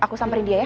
aku samperin dia ya